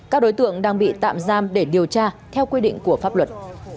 các đối tượng đang bị tạm giam để điều tra theo quy định của pháp luật